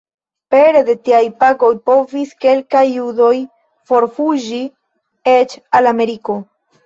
Pere de tiaj pagoj povis kelkaj judoj forfuĝi eĉ al Ameriko.